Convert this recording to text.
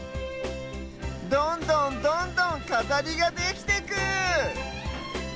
どんどんどんどんかざりができてく！